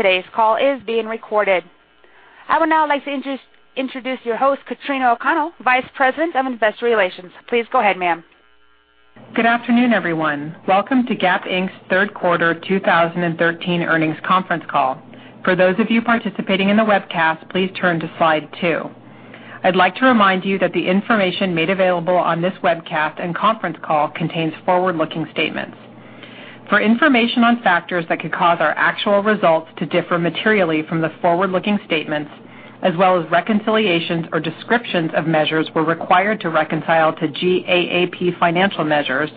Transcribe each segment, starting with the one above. Today's call is being recorded. I would now like to introduce your host, Katrina O'Connell, Vice President of Investor Relations. Please go ahead, ma'am. Good afternoon, everyone. Welcome to Gap Inc.'s third quarter 2013 earnings conference call. For those of you participating in the webcast, please turn to slide two. I'd like to remind you that the information made available on this webcast and conference call contains forward-looking statements. For information on factors that could cause our actual results to differ materially from the forward-looking statements, as well as reconciliations or descriptions of measures were required to reconcile to GAAP financial measures,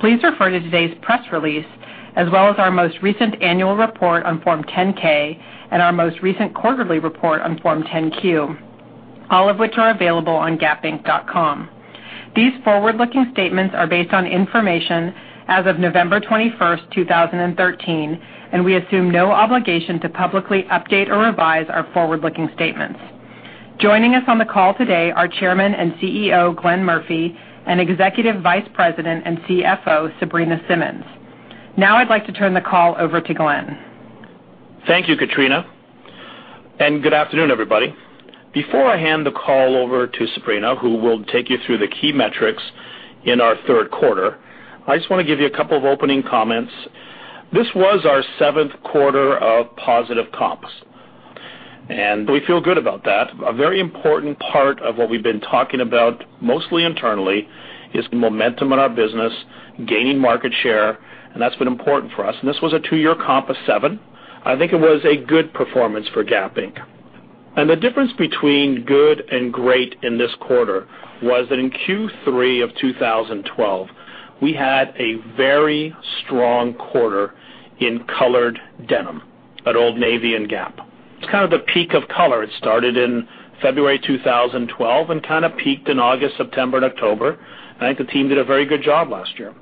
please refer to today's press release, as well as our most recent annual report on Form 10-K and our most recent quarterly report on Form 10-Q, all of which are available on gapinc.com. These forward-looking statements are based on information as of November 21st, 2013, we assume no obligation to publicly update or revise our forward-looking statements. Joining us on the call today are Chairman and CEO, Glenn Murphy, and Executive Vice President and CFO, Sabrina Simmons. Now I'd like to turn the call over to Glenn. Thank you, Katrina, good afternoon, everybody. Before I hand the call over to Sabrina, who will take you through the key metrics in our third quarter, I just want to give you a couple of opening comments. This was our seventh quarter of positive comps, we feel good about that. A very important part of what we've been talking about, mostly internally, is the momentum in our business, gaining market share, that's been important for us. This was a 2-year comp of seven. I think it was a good performance for Gap Inc. The difference between good and great in this quarter was that in Q3 of 2012, we had a very strong quarter in colored denim at Old Navy and Gap. It's kind of the peak of color. It started in February 2012 and kind of peaked in August, September, and October. I think the team did a very good job last year.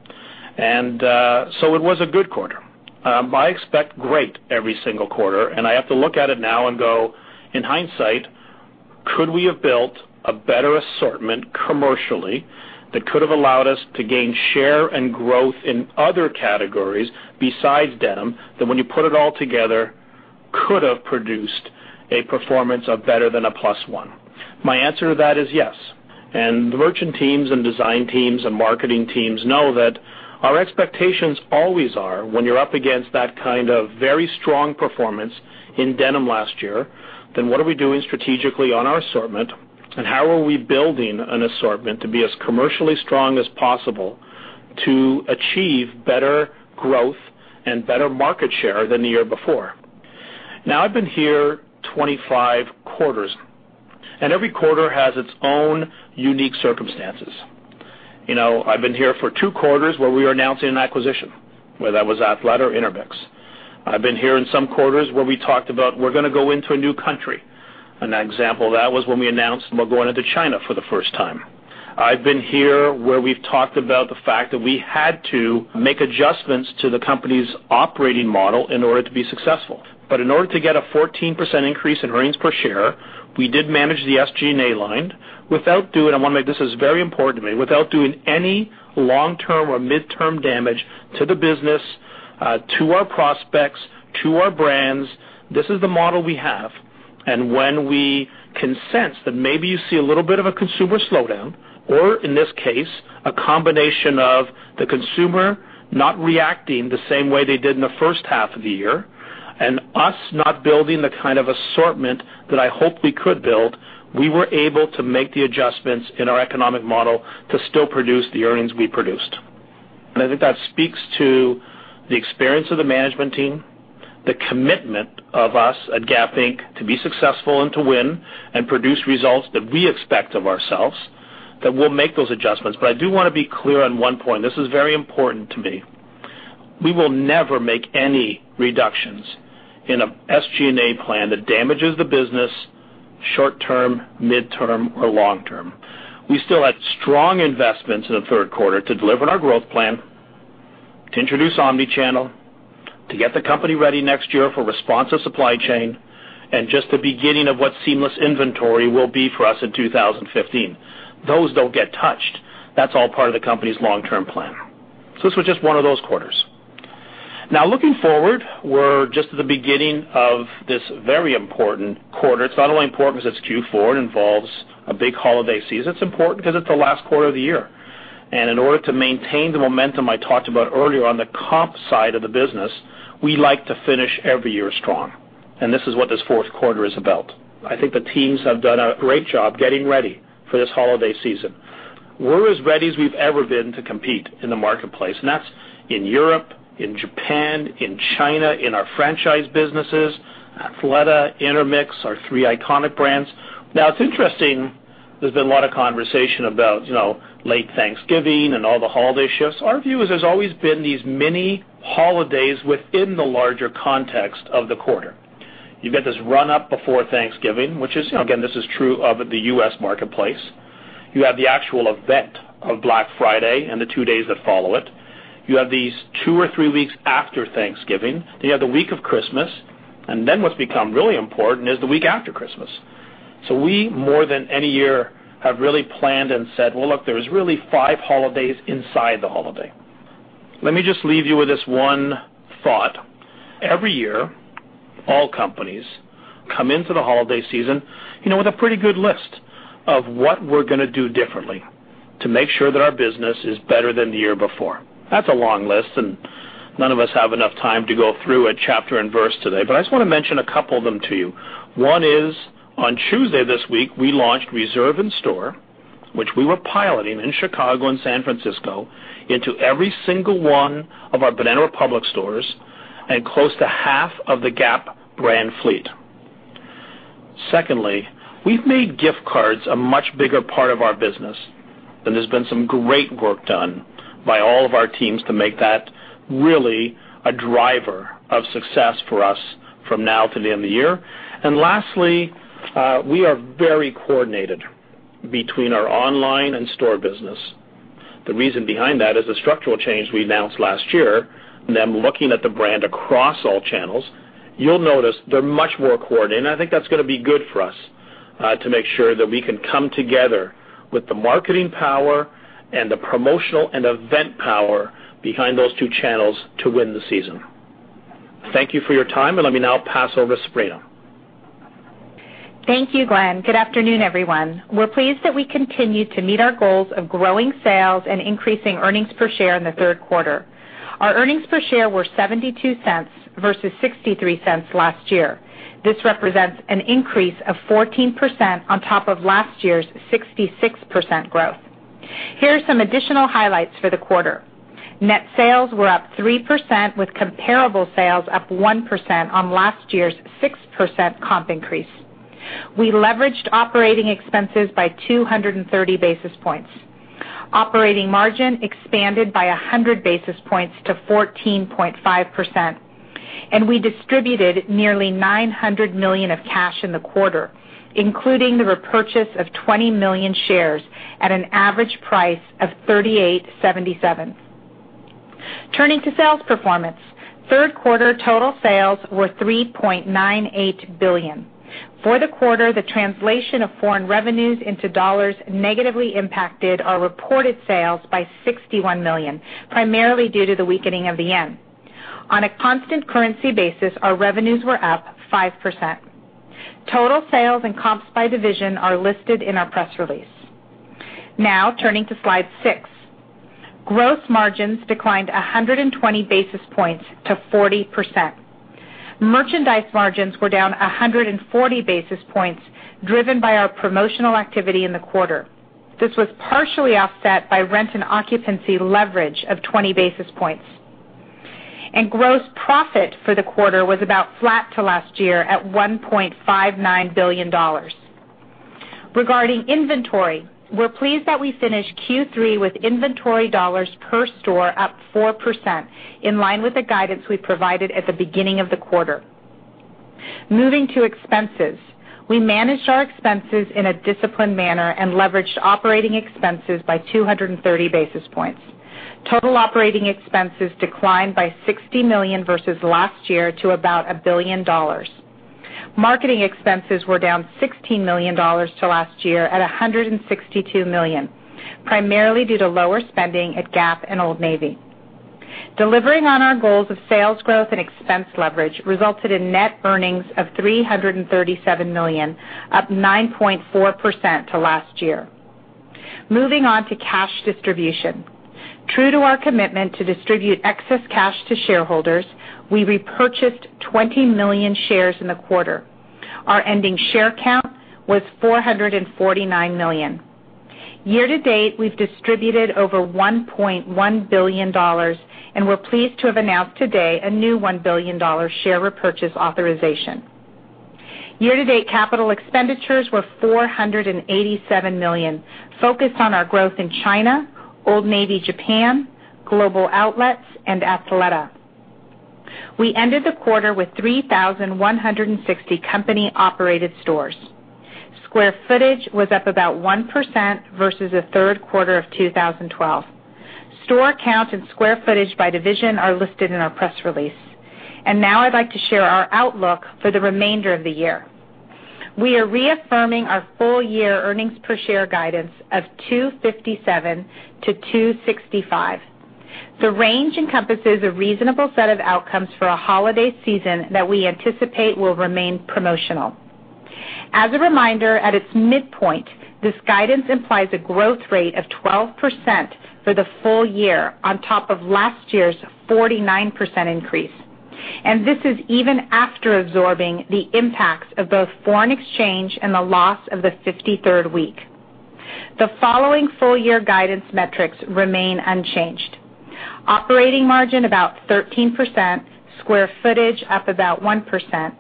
It was a good quarter. I expect great every single quarter, and I have to look at it now and go, in hindsight, could we have built a better assortment commercially that could have allowed us to gain share and growth in other categories besides denim, that when you put it all together, could have produced a performance of better than a +1? My answer to that is yes. The merchant teams and design teams and marketing teams know that our expectations always are when you're up against that kind of very strong performance in denim last year, then what are we doing strategically on our assortment, and how are we building an assortment to be as commercially strong as possible to achieve better growth and better market share than the year before? I've been here 25 quarters, and every quarter has its own unique circumstances. I've been here for two quarters where we were announcing an acquisition, whether that was Athleta or Intermix. I've been here in some quarters where we talked about we're going to go into a new country. An example of that was when we announced we're going into China for the first time. I've been here where we've talked about the fact that we had to make adjustments to the company's operating model in order to be successful. In order to get a 14% increase in earnings per share, we did manage the SG&A line without doing any long-term or midterm damage to the business, to our prospects, to our brands. This is the model we have. When we can sense that maybe you see a little bit of a consumer slowdown, or in this case, a combination of the consumer not reacting the same way they did in the first half of the year, and us not building the kind of assortment that I hoped we could build, we were able to make the adjustments in our economic model to still produce the earnings we produced. I think that speaks to the experience of the management team, the commitment of us at Gap Inc. to be successful and to win and produce results that we expect of ourselves, that we'll make those adjustments. I do want to be clear on one point. This is very important to me. We will never make any reductions in a SG&A plan that damages the business short-term, midterm, or long-term. We still had strong investments in the third quarter to deliver on our growth plan, to introduce omnichannel, to get the company ready next year for responsive supply chain, and just the beginning of what seamless inventory will be for us in 2015. Those don't get touched. That's all part of the company's long-term plan. This was just one of those quarters. Looking forward, we're just at the beginning of this very important quarter. It's not only important because it's Q4, it involves a big holiday season. It's important because it's the last quarter of the year. In order to maintain the momentum I talked about earlier on the comp side of the business, we like to finish every year strong. This is what this fourth quarter is about. I think the teams have done a great job getting ready for this holiday season. We're as ready as we've ever been to compete in the marketplace. That's in Europe, in Japan, in China, in our franchise businesses, Athleta, Intermix, our three iconic brands. It's interesting, there's been a lot of conversation about late Thanksgiving and all the holiday shifts. Our view is there's always been these mini holidays within the larger context of the quarter. You get this run up before Thanksgiving, which is, again, this is true of the U.S. marketplace. You have the actual event of Black Friday and the two days that follow it. You have these two or three weeks after Thanksgiving. You have the week of Christmas, and what's become really important is the week after Christmas. We, more than any year, have really planned and said, "Well, look, there's really five holidays inside the holiday." Let me just leave you with this one thought. Every year, all companies come into the holiday season with a pretty good list of what we're going to do differently to make sure that our business is better than the year before. That's a long list. None of us have enough time to go through it chapter and verse today. I just want to mention a couple of them to you. One is, on Tuesday this week, we launched Reserve in Store, which we were piloting in Chicago and San Francisco, into every single one of our Banana Republic stores and close to half of the Gap brand fleet. Secondly, we've made gift cards a much bigger part of our business. There's been some great work done by all of our teams to make that really a driver of success for us from now to the end of the year. Lastly, we are very coordinated between our online and store business. The reason behind that is the structural change we announced last year, them looking at the brand across all channels. You'll notice they're much more coordinated. I think that's going to be good for us to make sure that we can come together with the marketing power and the promotional and event power behind those two channels to win the season. Thank you for your time. Let me now pass over to Sabrina. Thank you, Glenn. Good afternoon, everyone. We're pleased that we continued to meet our goals of growing sales and increasing earnings per share in the third quarter. Our earnings per share were $0.72 versus $0.63 last year. This represents an increase of 14% on top of last year's 66% growth. Here are some additional highlights for the quarter. Net sales were up 3% with comparable sales up 1% on last year's 6% comp increase. We leveraged operating expenses by 230 basis points. Operating margin expanded by 100 basis points to 14.5%. We distributed nearly $900 million of cash in the quarter, including the repurchase of 20 million shares at an average price of $38.77. Turning to sales performance. Third quarter total sales were $3.98 billion. For the quarter, the translation of foreign revenues into dollars negatively impacted our reported sales by $61 million, primarily due to the weakening of the JPY. On a constant currency basis, our revenues were up 5%. Total sales and comps by division are listed in our press release. Now turning to slide six. Gross margins declined 120 basis points to 40%. Merchandise margins were down 140 basis points, driven by our promotional activity in the quarter. This was partially offset by rent and occupancy leverage of 20 basis points. Gross profit for the quarter was about flat to last year at $1.59 billion. Regarding inventory, we're pleased that we finished Q3 with inventory dollars per store up 4%, in line with the guidance we provided at the beginning of the quarter. Moving to expenses. We managed our expenses in a disciplined manner and leveraged operating expenses by 230 basis points. Total operating expenses declined by $60 million versus last year to about $1 billion. Marketing expenses were down $16 million to last year at $162 million, primarily due to lower spending at Gap and Old Navy. Delivering on our goals of sales growth and expense leverage resulted in net earnings of $337 million, up 9.4% to last year. Moving on to cash distribution. True to our commitment to distribute excess cash to shareholders, we repurchased 20 million shares in the quarter. Our ending share count was 449 million. Year to date, we've distributed over $1.1 billion, and we're pleased to have announced today a new $1 billion share repurchase authorization. Year to date, capital expenditures were $487 million, focused on our growth in China, Old Navy Japan, global outlets, and Athleta. We ended the quarter with 3,160 company-operated stores. Square footage was up about 1% versus the third quarter of 2012. Store count and square footage by division are listed in our press release. Now I'd like to share our outlook for the remainder of the year. We are reaffirming our full year earnings per share guidance of $2.57-$2.65. The range encompasses a reasonable set of outcomes for a holiday season that we anticipate will remain promotional. As a reminder, at its midpoint, this guidance implies a growth rate of 12% for the full year on top of last year's 49% increase. This is even after absorbing the impacts of both foreign exchange and the loss of the 53rd week. The following full year guidance metrics remain unchanged. Operating margin, about 13%, square footage, up about 1%.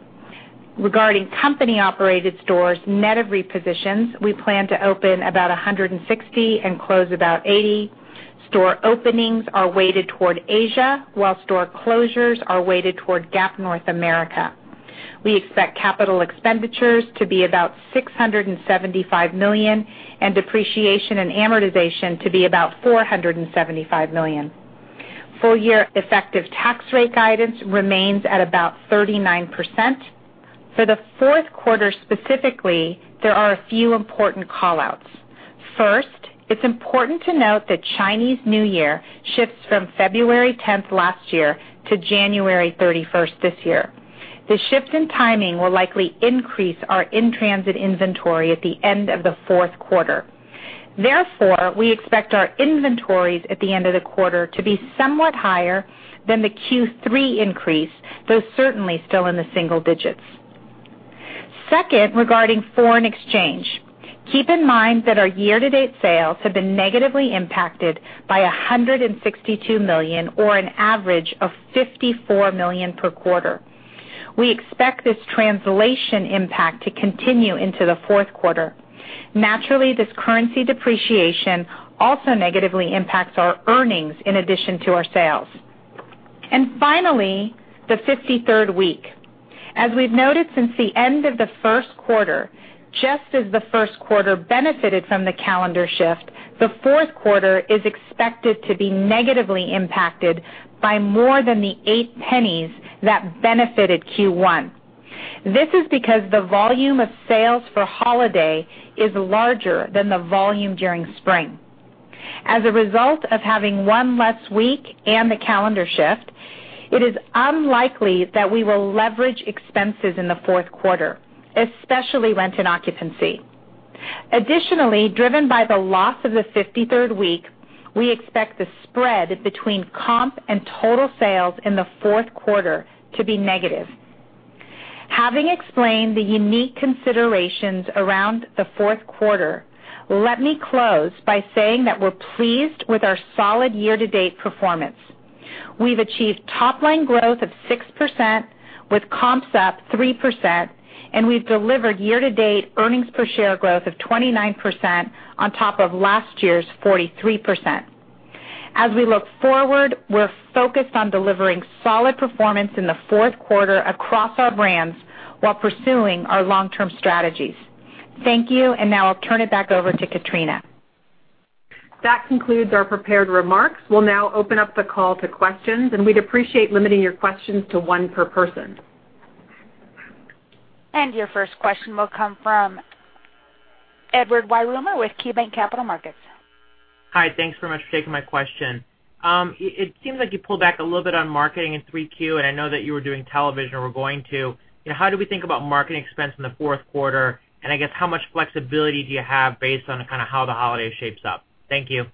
Regarding company-operated stores net of repositions, we plan to open about 160 and close about 80. Store openings are weighted toward Asia, while store closures are weighted toward Gap North America. We expect capital expenditures to be about $675 million and depreciation and amortization to be about $475 million. Full year effective tax rate guidance remains at about 39%. For the fourth quarter specifically, there are a few important call-outs. First, it's important to note that Chinese New Year shifts from February 10th last year to January 31st this year. The shift in timing will likely increase our in-transit inventory at the end of the fourth quarter. Therefore, we expect our inventories at the end of the quarter to be somewhat higher than the Q3 increase, though certainly still in the single digits. Second, regarding foreign exchange. Keep in mind that our year-to-date sales have been negatively impacted by $162 million or an average of $54 million per quarter. We expect this translation impact to continue into the fourth quarter. Naturally, this currency depreciation also negatively impacts our earnings in addition to our sales. Finally, the 53rd week. As we've noted since the end of the first quarter, just as the first quarter benefited from the calendar shift, the fourth quarter is expected to be negatively impacted by more than the eight pennies that benefited Q1. This is because the volume of sales for holiday is larger than the volume during spring. As a result of having one less week and the calendar shift, it is unlikely that we will leverage expenses in the fourth quarter, especially rent and occupancy. Additionally, driven by the loss of the 53rd week, we expect the spread between comp and total sales in the fourth quarter to be negative. Having explained the unique considerations around the fourth quarter, let me close by saying that we're pleased with our solid year-to-date performance. We've achieved top-line growth of 6% with comps up 3%, we've delivered year-to-date earnings per share growth of 29% on top of last year's 43%. As we look forward, we're focused on delivering solid performance in the fourth quarter across our brands while pursuing our long-term strategies. Thank you. Now I'll turn it back over to Katrina. That concludes our prepared remarks. We'll now open up the call to questions. We'd appreciate limiting your questions to one per person. Your first question will come from Edward Yruma with KeyBanc Capital Markets. Hi. Thanks very much for taking my question. It seems like you pulled back a little bit on marketing in 3Q, and I know that you were doing television or were going to. How do we think about marketing expense in the fourth quarter, and I guess how much flexibility do you have based on how the holiday shapes up? Thank you.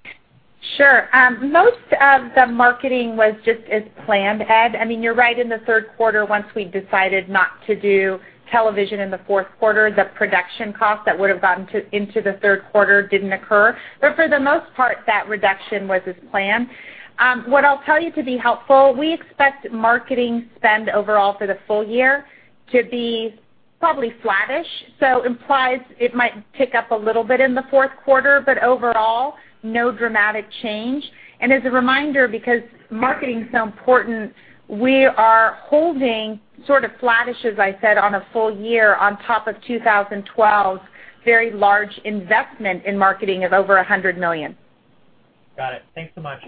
Sure. Most of the marketing was just as planned, Ed. You're right, in the third quarter, once we decided not to do television in the fourth quarter, the production cost that would have gotten into the third quarter didn't occur. For the most part, that reduction was as planned. What I'll tell you to be helpful, we expect marketing spend overall for the full year to be probably flattish, implies it might tick up a little bit in the fourth quarter, overall, no dramatic change. As a reminder, because marketing is so important, we are holding sort of flattish, as I said, on a full year on top of 2012's very large investment in marketing of over $100 million. Got it. Thanks so much.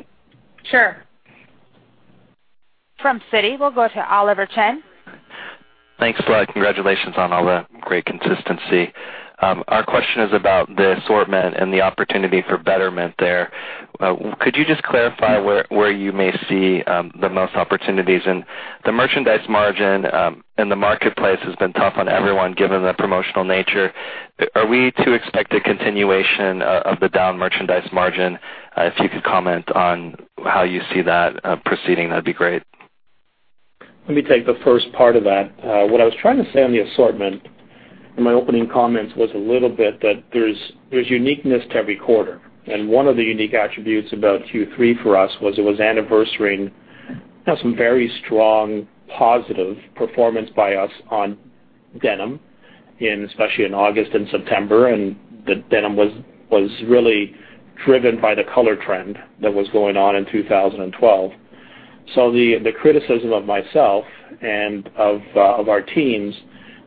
Sure. From Citi, we'll go to Oliver Chen. Thanks a lot. Congratulations on all the great consistency. Our question is about the assortment and the opportunity for betterment there. Could you just clarify where you may see the most opportunities? The merchandise margin in the marketplace has been tough on everyone, given the promotional nature. Are we to expect a continuation of the down merchandise margin? If you could comment on how you see that proceeding, that'd be great. Let me take the first part of that. What I was trying to say on the assortment in my opening comments was a little bit that there's uniqueness to every quarter. One of the unique attributes about Q3 for us was it was anniversarying some very strong positive performance by us on denim, especially in August and September, and the denim was really driven by the color trend that was going on in 2012. The criticism of myself and of our teams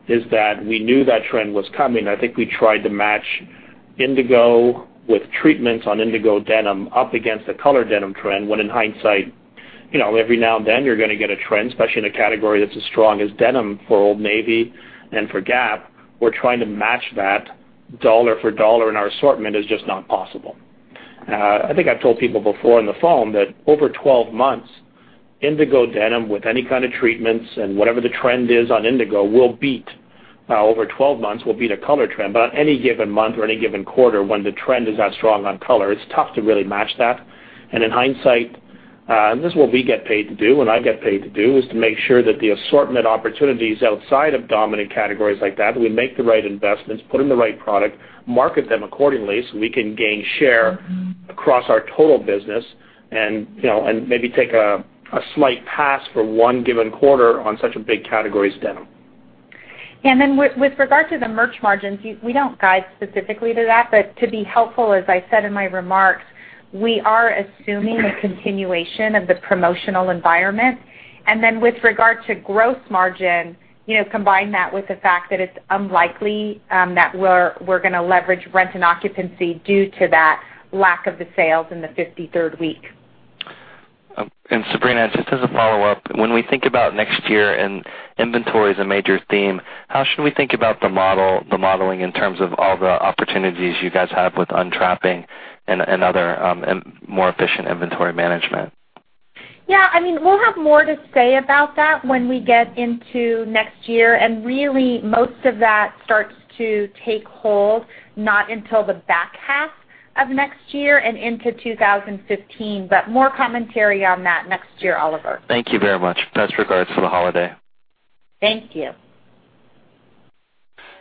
is that we knew that trend was coming. I think we tried to match indigo with treatments on indigo denim up against the color denim trend, when in hindsight, every now and then you're going to get a trend, especially in a category that's as strong as denim for Old Navy and for Gap. We're trying to match that dollar for dollar, and our assortment is just not possible. I think I've told people before on the phone that over 12 months, indigo denim with any kind of treatments and whatever the trend is on indigo will beat, over 12 months, will beat a color trend. On any given month or any given quarter when the trend is as strong on color, it's tough to really match that. In hindsight, this is what we get paid to do and I get paid to do, is to make sure that the assortment opportunities outside of dominant categories like that, we make the right investments, put in the right product, market them accordingly so we can gain share across our total business and maybe take a slight pass for one given quarter on such a big category as denim. With regard to the merch margins, we don't guide specifically to that. To be helpful, as I said in my remarks, we are assuming a continuation of the promotional environment. With regard to gross margin, combine that with the fact that it's unlikely that we're going to leverage rent and occupancy due to that lack of the sales in the 53rd week. Sabrina, just as a follow-up, when we think about next year and inventory as a major theme, how should we think about the modeling in terms of all the opportunities you guys have with untrapping and other more efficient inventory management? Yeah. We'll have more to say about that when we get into next year. Really, most of that starts to take hold not until the back half of next year and into 2015. More commentary on that next year, Oliver. Thank you very much. Best regards for the holiday. Thank you.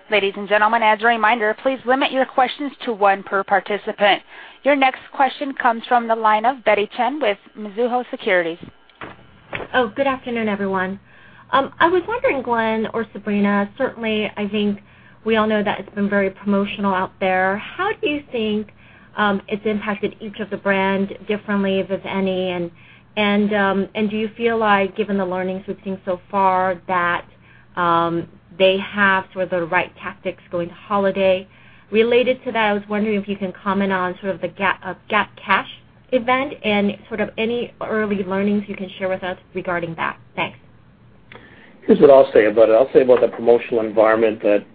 Ladies and gentlemen, as a reminder, please limit your questions to one per participant. Your next question comes from the line of Betty Chen with Mizuho Securities. Oh, good afternoon, everyone. I was wondering, Glenn or Sabrina, certainly, I think we all know that it's been very promotional out there. How do you think it's impacted each of the brand differently, if any, and do you feel like given the learnings we've seen so far that they have sort of the right tactics going holiday? Related to that, I was wondering if you can comment on sort of the GapCash event and sort of any early learnings you can share with us regarding that. Thanks. Here's what I'll say about it. I'll say about the promotional environment that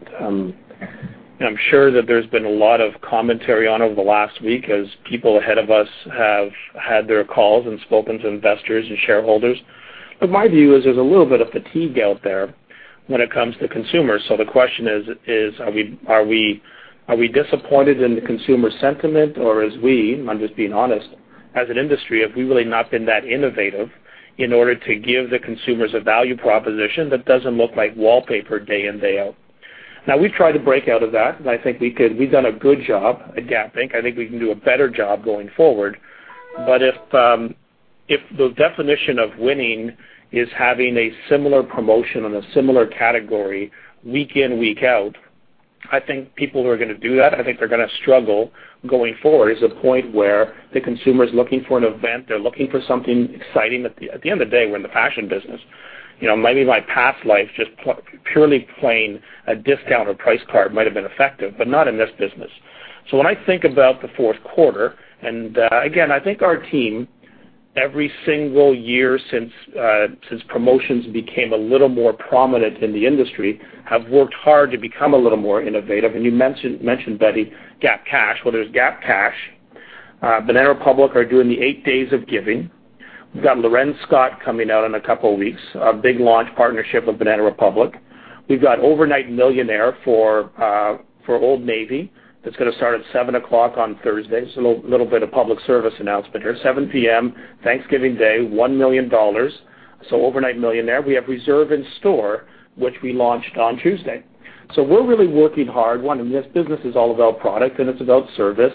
I'm sure that there's been a lot of commentary on over the last week as people ahead of us have had their calls and spoken to investors and shareholders. My view is there's a little bit of fatigue out there when it comes to consumers. The question is, are we disappointed in the consumer sentiment or as we, I'm just being honest, as an industry, have we really not been that innovative in order to give the consumers a value proposition that doesn't look like wallpaper day in, day out? We've tried to break out of that, and I think we've done a good job at Gap Inc. I think we can do a better job going forward. If the definition of winning is having a similar promotion on a similar category week in, week out, I think people who are going to do that, I think they're going to struggle going forward. There's a point where the consumer's looking for an event. They're looking for something exciting. At the end of the day, we're in the fashion business. Maybe my past life, just purely playing a discount or price card might have been effective, but not in this business. When I think about the fourth quarter, and again, I think our team, every single year since promotions became a little more prominent in the industry, have worked hard to become a little more innovative. You mentioned, Betty, GapCash. There's GapCash. Banana Republic are doing the Eight Days of Giving. We've got L'Wren Scott coming out in a couple of weeks, a big launch partnership with Banana Republic. We've got Overnight Millionaire for Old Navy. That's going to start at 7:00 P.M. on Thursday. It's a little bit of public service announcement here. 7:00 P.M., Thanksgiving Day, $1 million. So Overnight Millionaire. We have Reserve in Store, which we launched on Tuesday. We're really working hard. This business is all about product, and it's about service.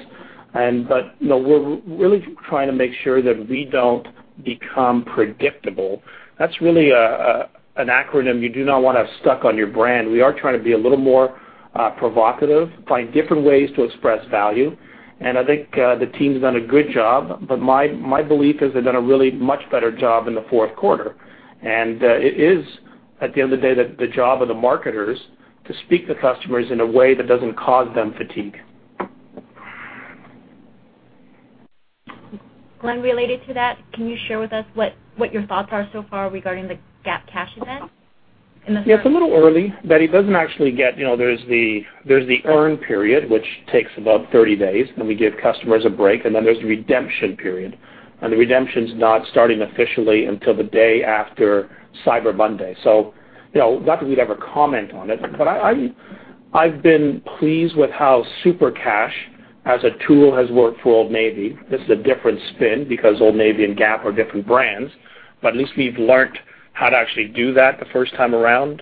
We're really trying to make sure that we don't become predictable. That's really an acronym you do not want to have stuck on your brand. We are trying to be a little more provocative, find different ways to express value. I think the team's done a good job. My belief is they've done a really much better job in the fourth quarter. It is, at the end of the day, the job of the marketers to speak to customers in a way that doesn't cause them fatigue. Glenn, related to that, can you share with us what your thoughts are so far regarding the GapCash event in the store? It's a little early, Betty. It doesn't actually get. There's the earn period, which takes about 30 days, and we give customers a break, then there's the redemption period, and the redemption's not starting officially until the day after Cyber Monday. Not that we'd ever comment on it, I've been pleased with how Super Cash as a tool has worked for Old Navy. This is a different spin because Old Navy and Gap are different brands, at least we've learnt how to actually do that the first time around.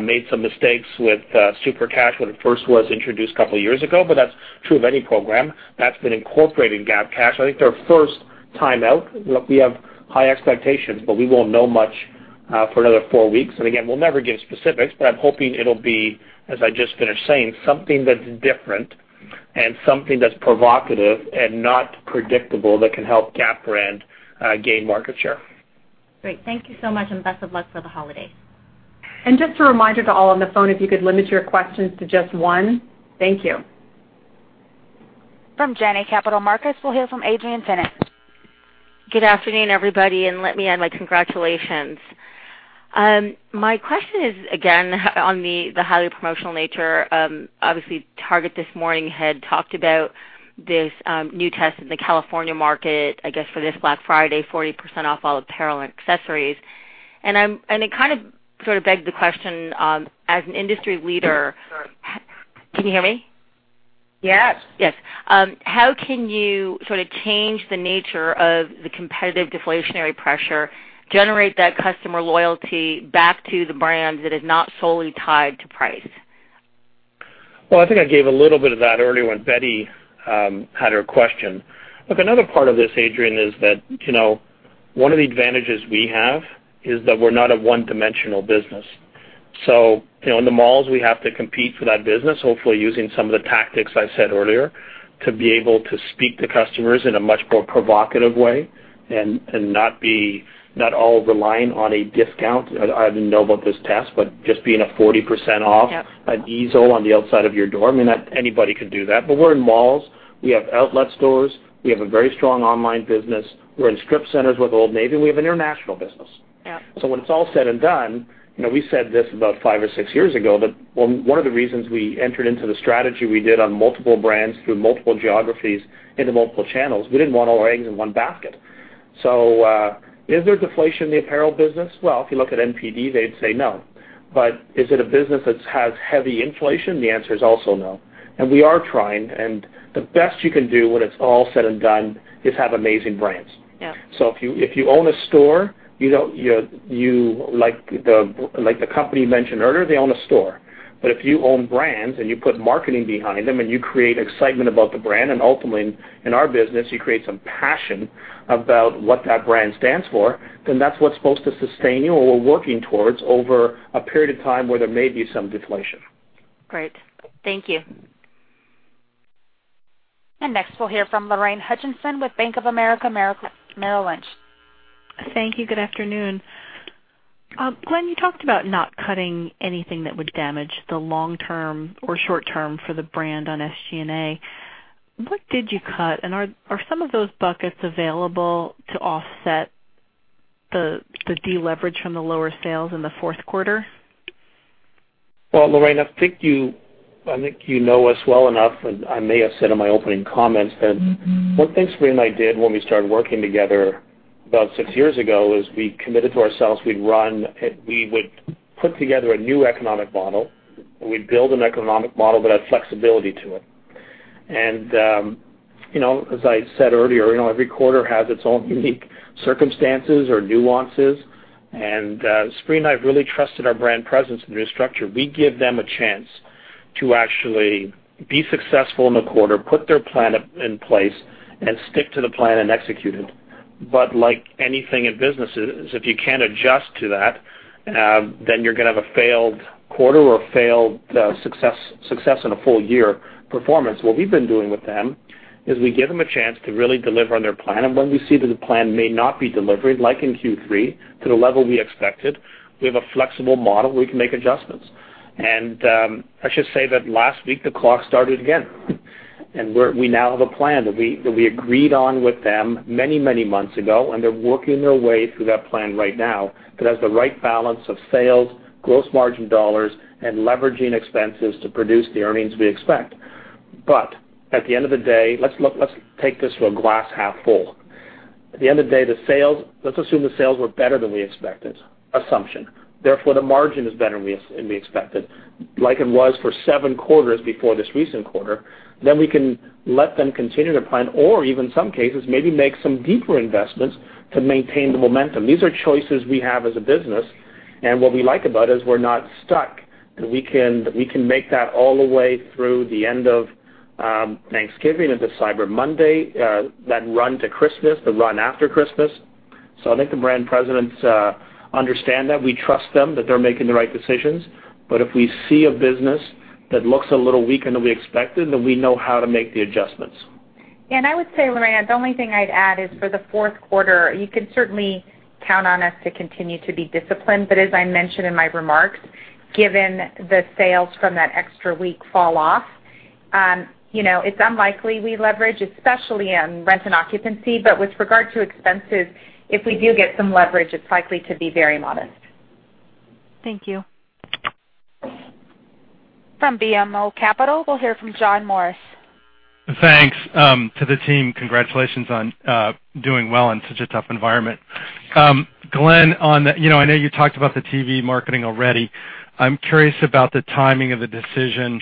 Made some mistakes with Super Cash when it first was introduced a couple of years ago, that's true of any program. That's been incorporated in GapCash. I think their first time out, look, we have high expectations, we won't know much for another four weeks. Again, we'll never give specifics, but I'm hoping it'll be, as I just finished saying, something that's different and something that's provocative and not predictable that can help Gap brand gain market share. Great. Thank you so much, and best of luck for the holidays. Just a reminder to all on the phone, if you could limit your questions to just one. Thank you. From Janney Capital Markets, we'll hear from Adrienne Yih. Good afternoon, everybody, let me add my congratulations. My question is, again, on the highly promotional nature. Obviously, Target this morning had talked about this new test in the California market, I guess for this Black Friday, 40% off all apparel and accessories. It kind of begs the question, as an industry leader. Can you hear me? Yes. Yes. How can you sort of change the nature of the competitive deflationary pressure, generate that customer loyalty back to the brand that is not solely tied to price? Well, I think I gave a little bit of that earlier when Betty had her question. Look, another part of this, Adrienne, is that one of the advantages we have is that we're not a one-dimensional business. In the malls, we have to compete for that business, hopefully using some of the tactics I said earlier to be able to speak to customers in a much more provocative way and not all relying on a discount. I don't know about this test, but just being a 40% off. Yep an easel on the outside of your door. I mean, anybody could do that. We're in malls. We have outlet stores. We have a very strong online business. We're in strip centers with Old Navy. We have an international business. Yeah. When it's all said and done, we said this about five or six years ago, that one of the reasons we entered into the strategy we did on multiple brands through multiple geographies into multiple channels, we didn't want all our eggs in one basket. Is there deflation in the apparel business? Well, if you look at NPD, they'd say no. Is it a business that has heavy inflation? The answer is also no. We are trying, and the best you can do when it's all said and done is have amazing brands. Yeah. If you own a store, like the company mentioned earlier, they own a store. If you own brands and you put marketing behind them, you create excitement about the brand, ultimately in our business, you create some passion about what that brand stands for, that's what's supposed to sustain you or working towards over a period of time where there may be some deflation. Great. Thank you. Next, we'll hear from Lorraine Hutchinson with Bank of America Merrill Lynch. Thank you. Good afternoon. Glenn, you talked about not cutting anything that would damage the long term or short term for the brand on SG&A. What did you cut? Are some of those buckets available to offset the deleverage from the lower sales in the fourth quarter? Well, Lorraine, I think you know us well enough. I may have said in my opening comments that one thing Sabrina and I did when we started working together about six years ago is we committed to ourselves, we would put together a new economic model. We would build an economic model that had flexibility to it. As I said earlier, every quarter has its own unique circumstances or nuances. Sabrina and I have really trusted our brand presidents. We give them a chance to actually be successful in the quarter, put their plan in place, and stick to the plan and execute it. But like anything in businesses, if you cannot adjust to that, then you are going to have a failed quarter or failed success in a full year performance. What we have been doing with them is we give them a chance to really deliver on their plan. When we see that the plan may not be delivered, like in Q3, to the level we expected, we have a flexible model, we can make adjustments. I should say that last week, the clock started again. We now have a plan that we agreed on with them many months ago, and they are working their way through that plan right now that has the right balance of sales, gross margin dollars, and leveraging expenses to produce the earnings we expect. At the end of the day, let us take this from glass half full. At the end of the day, let us assume the sales were better than we expected. Assumption. Therefore, the margin is better than we expected. Like it was for seven quarters before this recent quarter, then we can let them continue to plan or even some cases, maybe make some deeper investments to maintain the momentum. These are choices we have as a business, and what we like about it is we are not stuck, that we can make that all the way through the end of Thanksgiving into Cyber Monday, that run to Christmas, the run after Christmas. I think the brand presidents understand that. We trust them, that they are making the right decisions. If we see a business that looks a little weaker than we expected, then we know how to make the adjustments. I would say, Lorraine, the only thing I would add is for the fourth quarter, you can certainly count on us to continue to be disciplined. As I mentioned in my remarks, given the sales from that extra week fall off, it is unlikely we leverage, especially on rent and occupancy. With regard to expenses, if we do get some leverage, it is likely to be very modest. Thank you. From BMO Capital, we'll hear from John Morris. Thanks, to the team. Congratulations on doing well in such a tough environment. Glenn, I know you talked about the TV marketing already. I'm curious about the timing of the decision.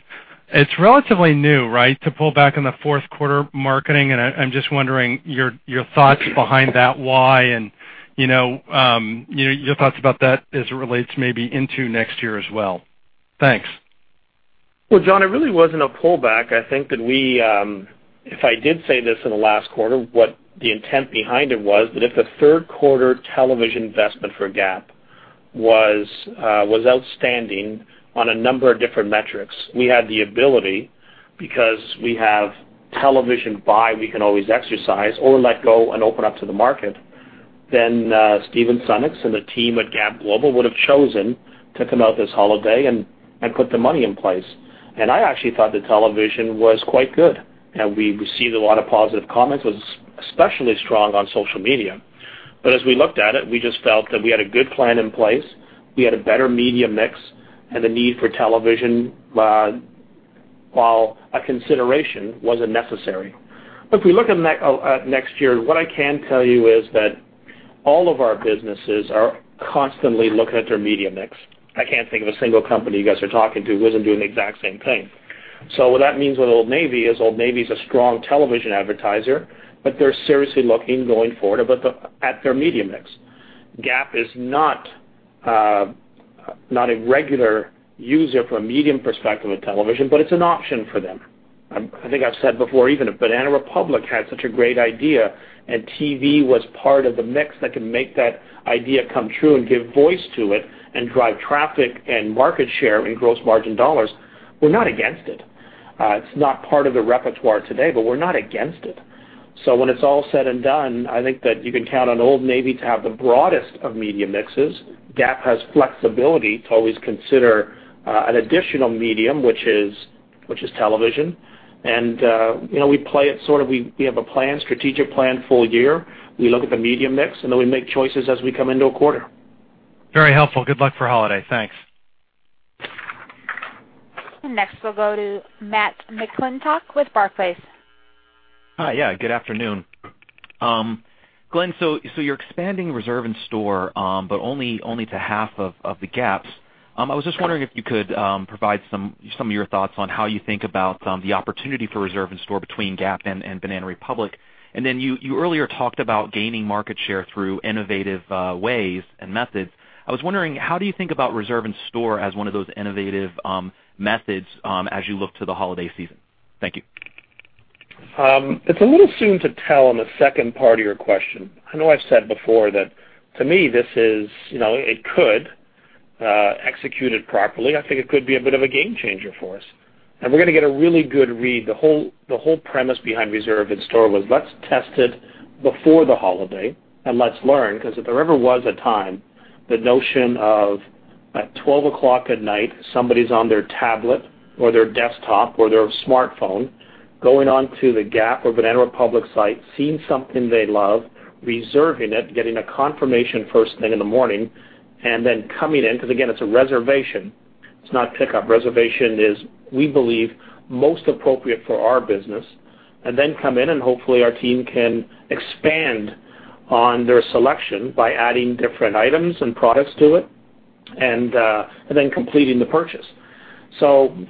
It's relatively new, right? To pull back on the fourth quarter marketing, I'm just wondering your thoughts behind that why, and your thoughts about that as it relates maybe into next year as well. Thanks. Well, John, it really wasn't a pullback. I think that if I did say this in the last quarter, what the intent behind it was that if the third quarter television investment for Gap was outstanding on a number of different metrics. We had the ability because we have television buy, we can always exercise or let go and open up to the market, Stephen Sunnucks and the team at Gap Global would have chosen to come out this holiday and put the money in place. I actually thought the television was quite good. We received a lot of positive comments, was especially strong on social media. As we looked at it, we just felt that we had a good plan in place. We had a better media mix, and the need for television, while a consideration, wasn't necessary. If we look at next year, what I can tell you is that all of our businesses are constantly looking at their media mix. I can't think of a single company you guys are talking to who isn't doing the exact same thing. What that means with Old Navy is Old Navy is a strong television advertiser, but they're seriously looking going forward at their media mix. Gap is not a regular user from a medium perspective of television, but it's an option for them. I think I've said before, even if Banana Republic had such a great idea and TV was part of the mix that can make that idea come true and give voice to it and drive traffic and market share in gross margin dollars, we're not against it. It's not part of the repertoire today, but we're not against it. When it's all said and done, I think that you can count on Old Navy to have the broadest of media mixes. Gap has flexibility to always consider an additional medium, which is television. We have a strategic plan for a year. We look at the medium mix, and then we make choices as we come into a quarter. Very helpful. Good luck for holiday. Thanks. Next, we'll go to Matt McClintock with Barclays. Hi. Good afternoon. Glenn, you're expanding Reserve in Store, but only to half of the Gap. I was just wondering if you could provide some of your thoughts on how you think about the opportunity for Reserve in Store between Gap and Banana Republic. You earlier talked about gaining market share through innovative ways and methods. I was wondering, how do you think about Reserve in Store as one of those innovative methods as you look to the holiday season? Thank you. It's a little soon to tell on the second part of your question. I know I've said before that to me, executed properly, I think it could be a bit of a game changer for us. We're going to get a really good read. The whole premise behind Reserve in Store was, let's test it before the holiday and let's learn, because if there ever was a time, the notion of at 12:00 at night, somebody's on their tablet or their desktop or their smartphone, going onto the Gap or Banana Republic site, seeing something they love, reserving it, getting a confirmation first thing in the morning, and then coming in, because again, it's a reservation. It's not pickup. Reservation is, we believe, most appropriate for our business. Come in and hopefully our team can expand on their selection by adding different items and products to it, and then completing the purchase.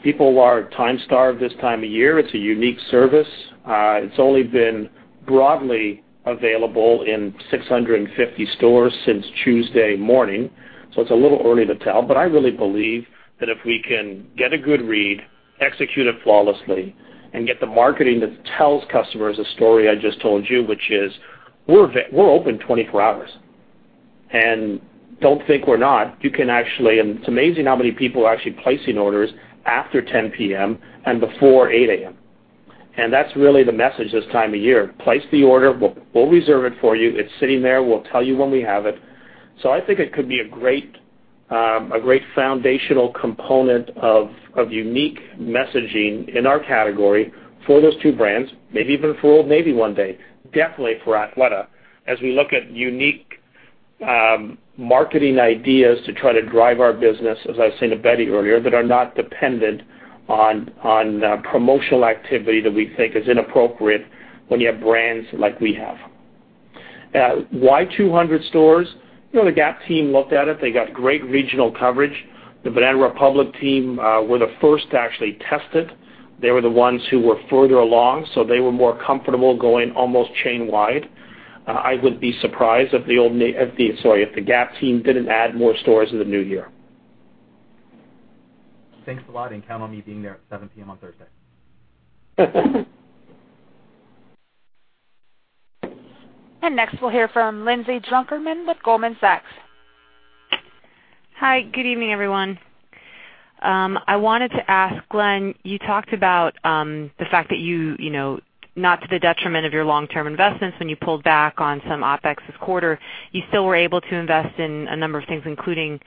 People are time-starved this time of year. It's a unique service. It's only been broadly available in 650 stores since Tuesday morning, so it's a little early to tell. I really believe that if we can get a good read, execute it flawlessly, and get the marketing that tells customers a story I just told you, which is, we're open 24 hours. Don't think we're not. It's amazing how many people are actually placing orders after 10:00 P.M. and before 8:00 A.M. That's really the message this time of year. Place the order. We'll reserve it for you. It's sitting there. We'll tell you when we have it. I think it could be a great foundational component of unique messaging in our category for those two brands, maybe even for Old Navy one day, definitely for Athleta, as we look at unique marketing ideas to try to drive our business, as I was saying to Betty earlier, that are not dependent on promotional activity that we think is inappropriate when you have brands like we have. Why 200 stores? The Gap team looked at it. They got great regional coverage. The Banana Republic team were the first to actually test it. They were the ones who were further along, so they were more comfortable going almost chain wide. I would be surprised if the Gap team didn't add more stores in the new year. Thanks a lot, count on me being there at 7:00 P.M. on Thursday. Next we'll hear from Lindsay Drucker Mann with Goldman Sachs. Hi, good evening, everyone. I wanted to ask, Glenn, you talked about the fact that you, not to the detriment of your long-term investments, when you pulled back on some OpEx this quarter, you still were able to invest in a number of things, including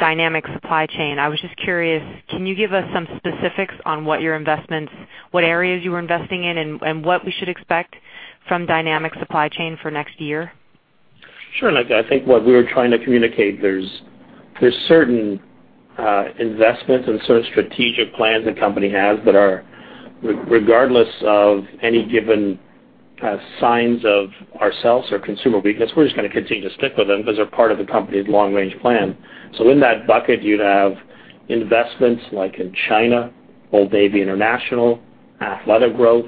responsive supply chain. I was just curious, can you give us some specifics on what areas you were investing in and what we should expect from responsive supply chain for next year? Sure. I think what we were trying to communicate, there's certain investments and certain strategic plans the company has that are regardless of any given signs of ourselves or consumer weakness, we're just going to continue to stick with them because they're part of the company's long-range plan. In that bucket, you'd have investments like in China, Old Navy International, Athleta growth,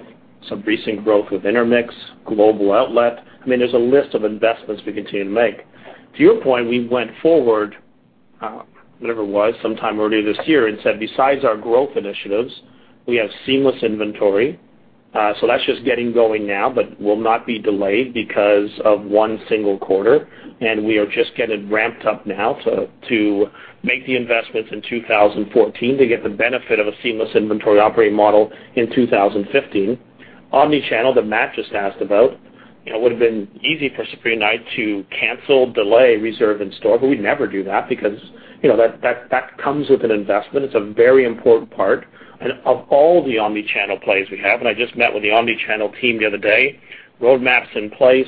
some recent growth with Intermix, global outlet. There's a list of investments we continue to make. To your point, we went forward, whenever it was, sometime earlier this year and said, besides our growth initiatives, we have seamless inventory. That's just getting going now, but will not be delayed because of one single quarter. We are just getting ramped up now to make the investments in 2014 to get the benefit of a seamless inventory operating model in 2015. Omnichannel that Matt just asked about. It would've been easy for Sabrina and I to cancel, delay Reserve in Store, but we'd never do that because that comes with an investment. It's a very important part. Of all the omnichannel plays we have, and I just met with the omnichannel team the other day, roadmap's in place.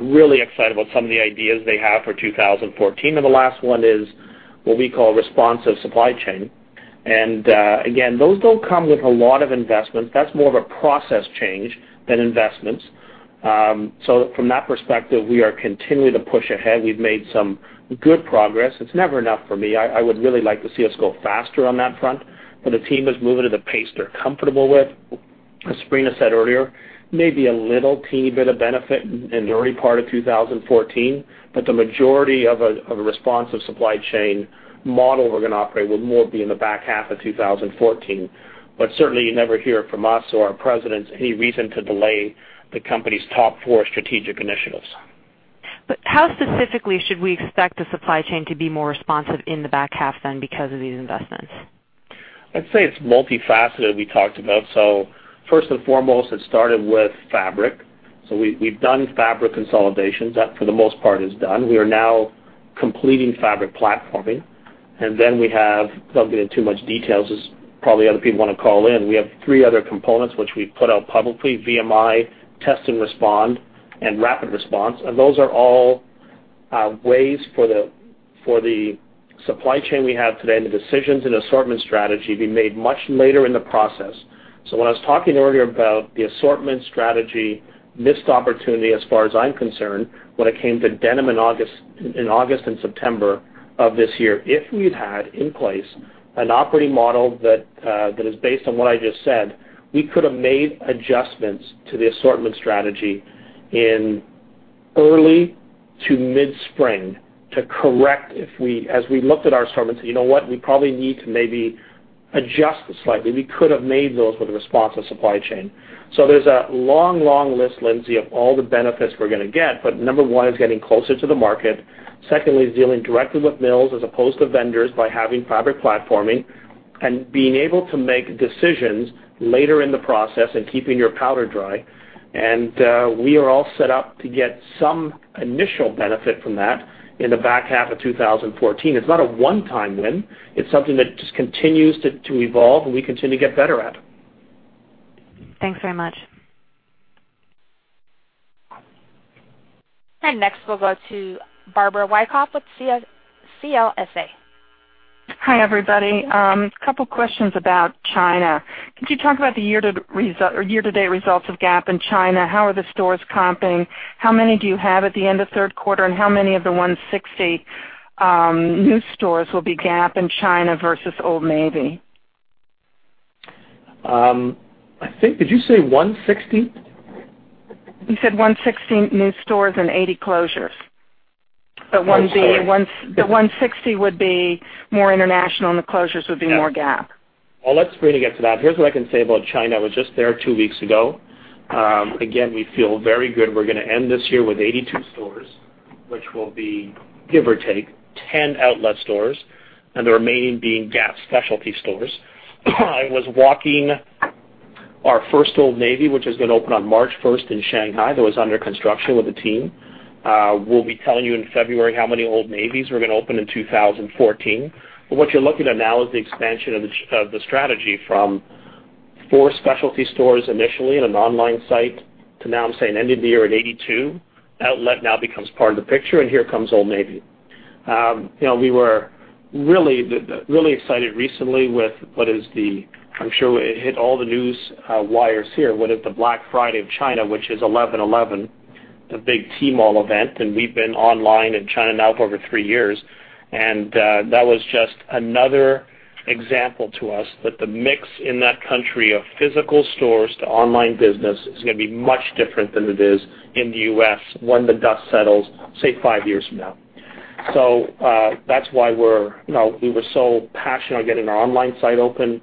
Really excited about some of the ideas they have for 2014. The last one is what we call responsive supply chain. Again, those don't come with a lot of investment. That's more of a process change than investments. From that perspective, we are continuing to push ahead. We've made some good progress. It's never enough for me. I would really like to see us go faster on that front, but the team is moving at a pace they're comfortable with. As Sabrina said earlier, maybe a little teeny bit of benefit in the early part of 2014, but the majority of a responsive supply chain model we're going to operate will more be in the back half of 2014. Certainly you never hear from us or our presidents any reason to delay the company's top four strategic initiatives. How specifically should we expect the supply chain to be more responsive in the back half then because of these investments? I'd say it's multifaceted, we talked about. First and foremost, it started with fabric. We've done fabric consolidations. That, for the most part, is done. We are now completing fabric platforming. Then we have, don't get in too much details as probably other people want to call in. We have three other components which we've put out publicly, VMI, test and respond, and rapid response. Those are all ways for the supply chain we have today, and the decisions and assortment strategy be made much later in the process. When I was talking earlier about the assortment strategy, missed opportunity, as far as I'm concerned, when it came to denim in August and September of this year. If we'd had in place an operating model that is based on what I just said, we could have made adjustments to the assortment strategy in early to mid-spring to correct as we looked at our assortments. You know what? We probably need to maybe adjust this slightly. We could have made those with a responsive supply chain. There's a long, long list, Lindsay, of all the benefits we're going to get. Number one is getting closer to the market. Secondly, is dealing directly with mills as opposed to vendors by having fabric platforming and being able to make decisions later in the process and keeping your powder dry. We are all set up to get some initial benefit from that in the back half of 2014. It's not a one-time win. It's something that just continues to evolve, and we continue to get better at. Thanks very much. Next, we'll go to Barbara Wyckoff with CLSA. Hi, everybody. Couple questions about China. Could you talk about the year-to-date results of Gap in China? How are the stores comping? How many do you have at the end of third quarter, and how many of the 160 new stores will be Gap in China versus Old Navy? Did you say 160? You said 160 new stores and 80 closures. Oh, sorry. The 160 would be more international, and the closures would be more Gap. Well, let Sabrina get to that. Here's what I can say about China. I was just there two weeks ago. Again, we feel very good. We're going to end this year with 82 stores, which will be, give or take, 10 outlet stores, and the remaining being Gap specialty stores. I was walking our first Old Navy, which is going to open on March 1st in Shanghai. That was under construction with the team. We'll be telling you in February how many Old Navys we're going to open in 2014. What you're looking at now is the expansion of the strategy from four specialty stores initially and an online site to now I'm saying end of the year at 82. Outlet now becomes part of the picture, and here comes Old Navy. We were really excited recently with what is the Black Friday of China, which is 11/11. The big Tmall event, and we've been online in China now for over three years. That was just another example to us that the mix in that country of physical stores to online business is going to be much different than it is in the U.S. when the dust settles, say, five years from now. That's why we were so passionate on getting our online site open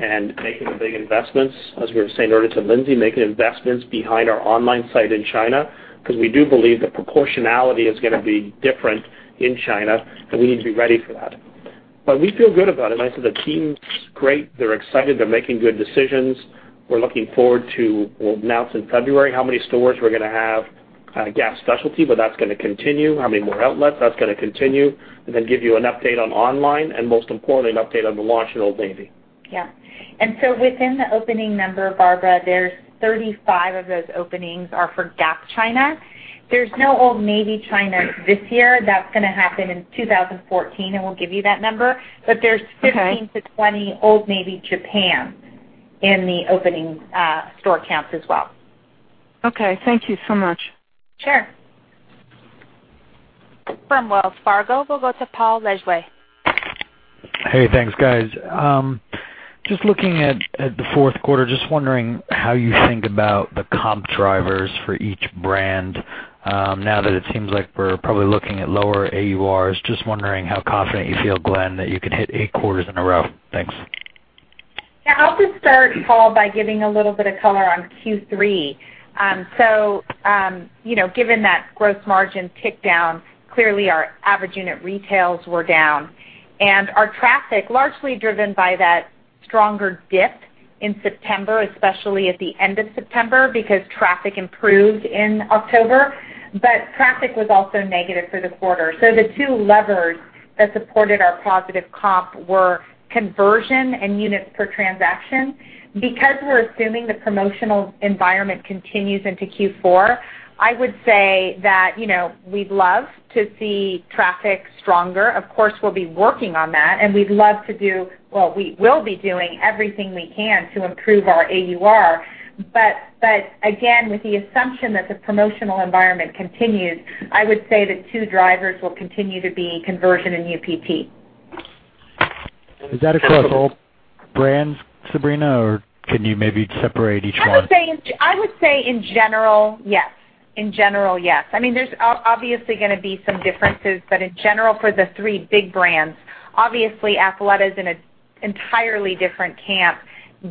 and making the big investments, as we were saying earlier to Lindsay, making investments behind our online site in China because we do believe the proportionality is going to be different in China, and we need to be ready for that. We feel good about it. Like I said, the team's great. They're excited. They're making good decisions. We're looking forward to we'll announce in February how many stores we're going to have. Gap specialty, but that's going to continue. How many more outlets, that's going to continue. Give you an update on online and most importantly, an update on the launch of Old Navy. Yeah. Within the opening number, Barbara, there's 35 of those openings are for Gap China. There's no Old Navy China this year. That's going to happen in 2014, we'll give you that number. Okay. There's 15-20 Old Navy Japan in the opening store counts as well. Okay. Thank you so much. Sure. From Wells Fargo, we'll go to Paul Lejuez. Hey, thanks, guys. Just looking at the fourth quarter, just wondering how you think about the comp drivers for each brand. Now that it seems like we're probably looking at lower AURs, just wondering how confident you feel, Glenn, that you can hit eight quarters in a row. Thanks. I'll just start, Paul, by giving a little bit of color on Q3. Given that gross margin tick down, clearly our average unit retails were down. Our traffic, largely driven by that stronger dip in September, especially at the end of September, because traffic improved in October. Traffic was also negative for the quarter. The two levers that supported our positive comp were conversion and units per transaction. We're assuming the promotional environment continues into Q4, I would say that we'd love to see traffic stronger. Of course, we'll be working on that, and we will be doing everything we can to improve our AUR. Again, with the assumption that the promotional environment continues, I would say the two drivers will continue to be conversion and UPT. Is that across all brands, Sabrina, or can you maybe separate each one? I would say in general, yes. There's obviously going to be some differences, but in general, for the three big brands. Obviously, Athleta is in an entirely different camp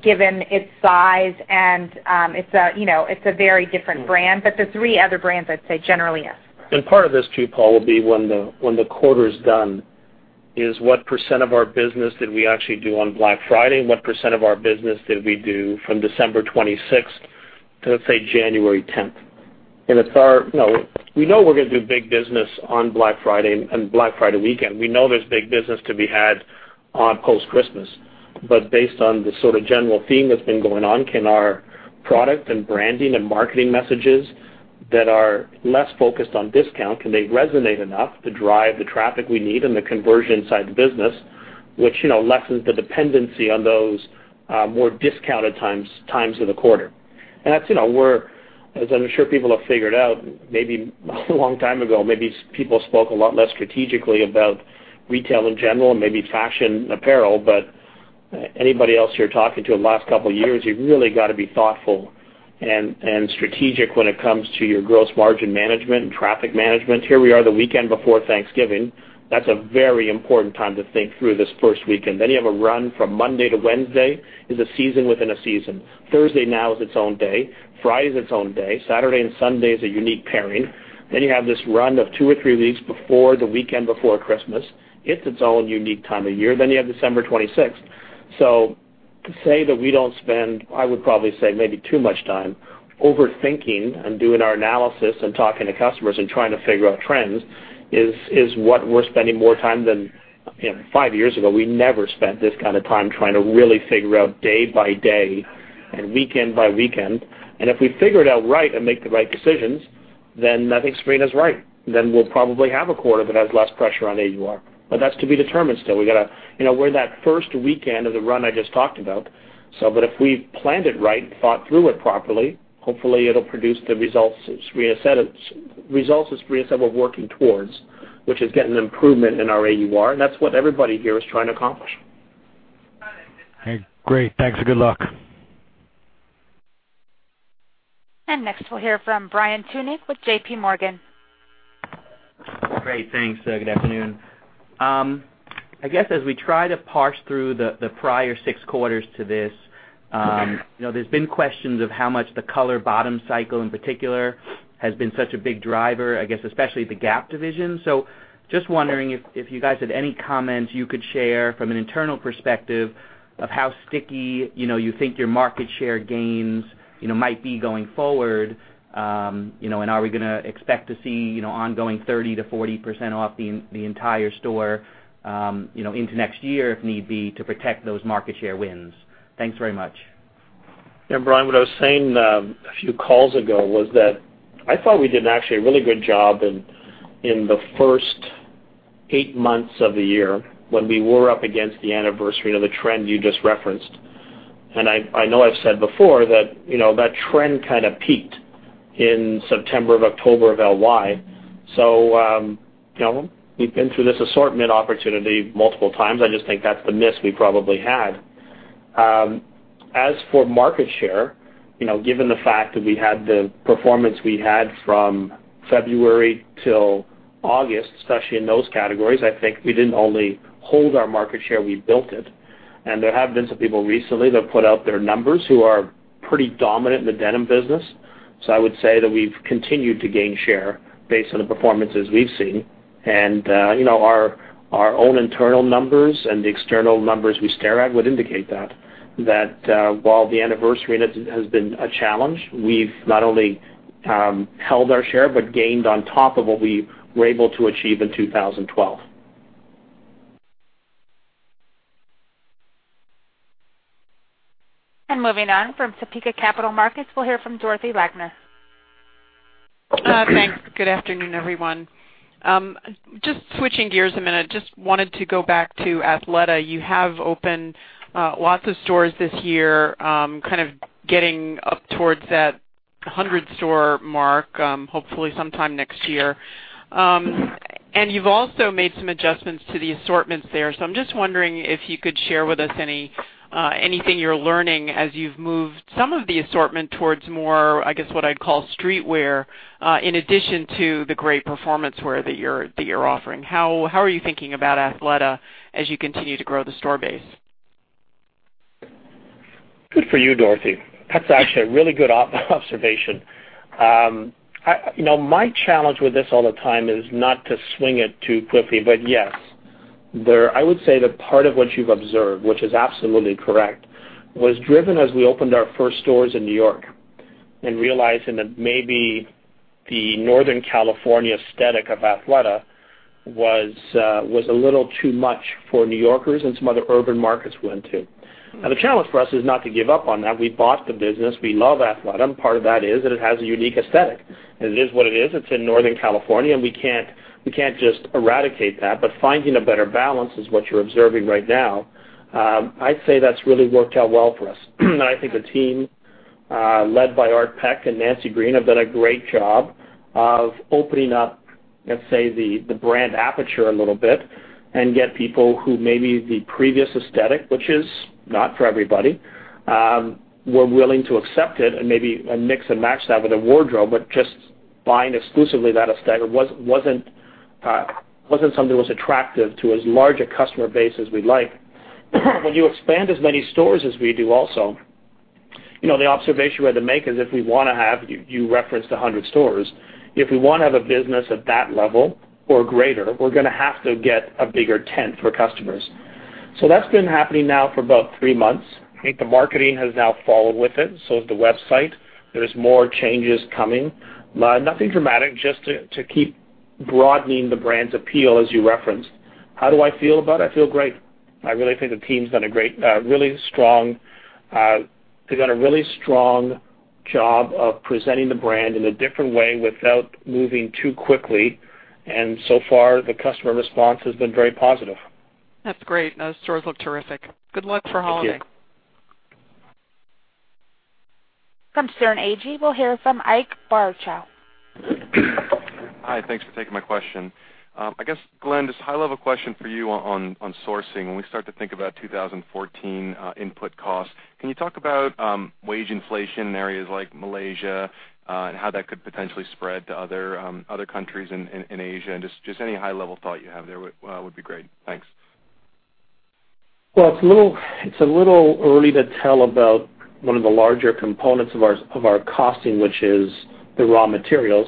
given its size and it's a very different brand. The three other brands, I'd say generally, yes. Part of this too, Paul, will be when the quarter is done Is what percent of our business did we actually do on Black Friday, and what percent of our business did we do from December 26th to, let's say, January 10th? We know we're going to do big business on Black Friday and Black Friday weekend. We know there's big business to be had on post-Christmas. Based on the sort of general theme that's been going on, can our product and branding and marketing messages that are less focused on discount, can they resonate enough to drive the traffic we need and the conversion side of the business, which lessens the dependency on those more discounted times of the quarter? As I'm sure people have figured out, maybe a long time ago, maybe people spoke a lot less strategically about retail in general and maybe fashion apparel. Anybody else you're talking to in the last couple of years, you've really got to be thoughtful and strategic when it comes to your gross margin management and traffic management. Here we are, the weekend before Thanksgiving. That's a very important time to think through this first weekend. You have a run from Monday to Wednesday is a season within a season. Thursday now is its own day. Friday is its own day. Saturday and Sunday is a unique pairing. You have this run of two or three weeks before the weekend before Christmas. It's its own unique time of year. You have December 26th. To say that we don't spend, I would probably say, maybe too much time overthinking and doing our analysis and talking to customers and trying to figure out trends is what we're spending more time than five years ago. We never spent this kind of time trying to really figure out day by day and weekend by weekend. If we figure it out right and make the right decisions, I think Sabrina's right. We'll probably have a quarter that has less pressure on AUR. That's to be determined still. We're in that first weekend of the run I just talked about. If we've planned it right and thought through it properly, hopefully it'll produce the results as Sabrina said, we're working towards, which is getting an improvement in our AUR, and that's what everybody here is trying to accomplish. Great. Thanks, good luck. Next, we'll hear from Brian Tunick with JPMorgan. Great. Thanks. Good afternoon. I guess as we try to parse through the prior 6 quarters to this, there's been questions of how much the color bottom cycle in particular has been such a big driver, I guess, especially the Gap division. Just wondering if you guys have any comments you could share from an internal perspective of how sticky you think your market share gains might be going forward. Are we going to expect to see ongoing 30%-40% off the entire store into next year, if need be, to protect those market share wins? Thanks very much. Yeah, Brian, what I was saying a few calls ago was that I thought we did actually a really good job in the first 8 months of the year when we were up against the anniversary of the trend you just referenced. I know I've said before that trend kind of peaked in September of October of LY. We've been through this assortment opportunity multiple times. I just think that's the miss we probably had. As for market share, given the fact that we had the performance we had from February till August, especially in those categories, I think we didn't only hold our market share, we built it. There have been some people recently that put out their numbers who are pretty dominant in the denim business. I would say that we've continued to gain share based on the performances we've seen. Our own internal numbers and the external numbers we stare at would indicate that. While the anniversary has been a challenge, we've not only held our share but gained on top of what we were able to achieve in 2012. Moving on from Topeka Capital Markets, we'll hear from Dorothy Lakner. Thanks. Good afternoon, everyone. Just switching gears a minute. Just wanted to go back to Athleta. You have opened lots of stores this year, kind of getting up towards that 100-store mark, hopefully sometime next year. You've also made some adjustments to the assortments there. I'm just wondering if you could share with us anything you're learning as you've moved some of the assortment towards more, I guess, what I'd call street wear, in addition to the great performance wear that you're offering. How are you thinking about Athleta as you continue to grow the store base? Good for you, Dorothy. That's actually a really good observation. My challenge with this all the time is not to swing it too quickly, but yes. I would say that part of what you've observed, which is absolutely correct, was driven as we opened our first stores in New York and realizing that maybe the Northern California aesthetic of Athleta was a little too much for New Yorkers and some other urban markets we're into. The challenge for us is not to give up on that. We bought the business. We love Athleta, and part of that is that it has a unique aesthetic, and it is what it is. It's in Northern California, and we can't just eradicate that. Finding a better balance is what you're observing right now. I'd say that's really worked out well for us. I think the team, led by Art Peck and Nancy Green, have done a great job of opening up, let's say, the brand aperture a little bit and get people who maybe the previous aesthetic, which is not for everybody, were willing to accept it and maybe mix and match that with a wardrobe, but just buying exclusively that aesthetic wasn't something that was attractive to as large a customer base as we'd like. When you expand as many stores as we do also, the observation we had to make is if we want to have, you referenced 100 stores, if we want to have a business at that level or greater, we're going to have to get a bigger tent for customers. That's been happening now for about three months. I think the marketing has now followed with it, so has the website. There's more changes coming. Nothing dramatic, just to keep broadening the brand's appeal, as you referenced. How do I feel about it? I feel great. I really think the team's done a really strong job of presenting the brand in a different way without moving too quickly, so far, the customer response has been very positive. That's great. Those stores look terrific. Good luck for holiday. Thank you. From Sterne Agee, we'll hear from Ike Boruchow. Hi, thanks for taking my question. I guess, Glenn, just a high-level question for you on sourcing. When we start to think about 2014 input costs, can you talk about wage inflation in areas like Malaysia, and how that could potentially spread to other countries in Asia, and just any high-level thought you have there would be great. Thanks. Well, it's a little early to tell about one of the larger components of our costing, which is the raw materials.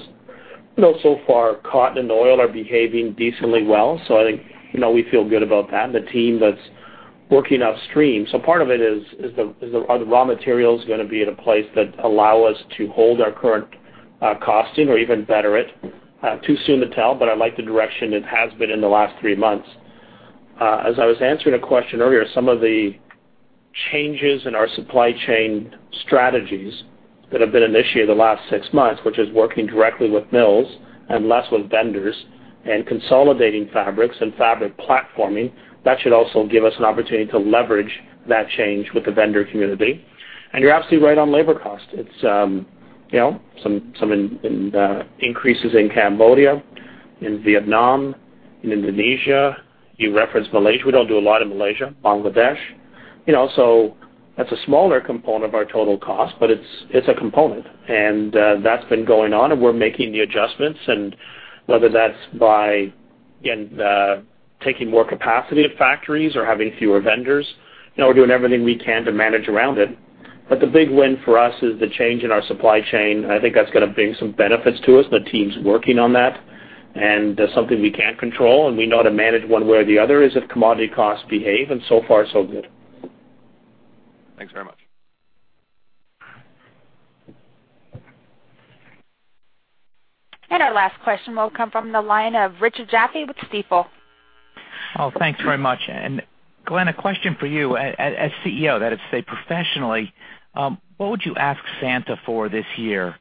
So far, cotton and oil are behaving decently well, I think we feel good about that, and the team that's working upstream. Part of it is, are the raw materials going to be at a place that allow us to hold our current costing or even better it? Too soon to tell, but I like the direction it has been in the last 3 months. As I was answering a question earlier, some of the changes in our supply chain strategies that have been initiated the last 6 months, which is working directly with mills and less with vendors, and consolidating fabrics and fabric platforming, that should also give us an opportunity to leverage that change with the vendor community. You're absolutely right on labor cost. Some increases in Cambodia, in Vietnam, in Indonesia. You referenced Malaysia. We don't do a lot in Malaysia, Bangladesh. That's a smaller component of our total cost, but it's a component. That's been going on, and we're making the adjustments, and whether that's by taking more capacity at factories or having fewer vendors. We're doing everything we can to manage around it. The big win for us is the change in our supply chain. I think that's going to bring some benefits to us. The team's working on that, and something we can't control and we know how to manage one way or the other is if commodity costs behave, and so far, so good. Thanks very much. Our last question will come from the line of Richard Jaffe with Stifel. Oh, thanks very much. Glenn, a question for you. As CEO, that is to say, professionally, what would you ask Santa for this year?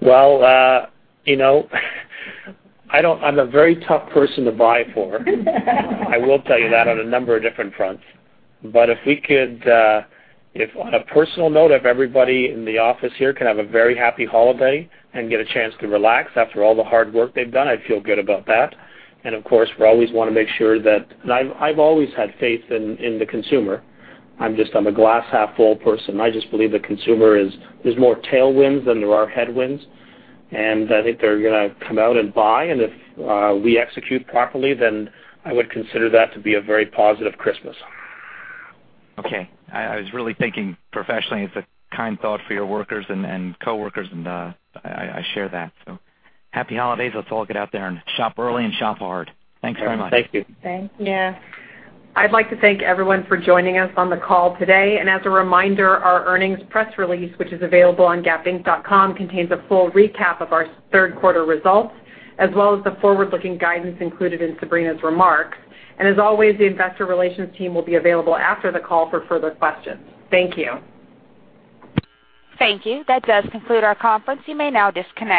Well, I'm a very tough person to buy for. I will tell you that on a number of different fronts. If on a personal note, if everybody in the office here can have a very happy holiday and get a chance to relax after all the hard work they've done, I'd feel good about that. Of course, we always want to make sure that I've always had faith in the consumer. I'm a glass-half-full person. I just believe the consumer is, there's more tailwinds than there are headwinds, and I think they're gonna come out and buy, and if we execute properly, then I would consider that to be a very positive Christmas. Okay. I was really thinking professionally, it's a kind thought for your workers and coworkers, and I share that. Happy holidays. Let's all get out there and shop early and shop hard. Thanks very much. Thank you. Thank you. As a reminder, our earnings press release, which is available on gapinc.com, contains a full recap of our third quarter results, as well as the forward-looking guidance included in Sabrina's remarks. As always, the investor relations team will be available after the call for further questions. Thank you. Thank you. That does conclude our conference. You may now disconnect.